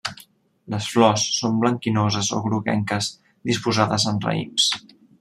Les flors són blanquinoses o groguenques disposades en raïms.